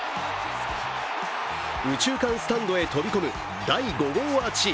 右中間スタンドへ飛び込む第５号アーチ。